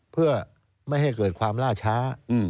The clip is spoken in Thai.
เพื่อไม่ให้เกิดความล่าช้า